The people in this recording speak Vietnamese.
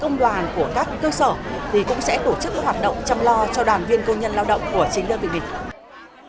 công đoàn của các cơ sở thì cũng sẽ tổ chức các hoạt động chăm lo cho đoàn viên công nhân lao động của chính đơn vị mình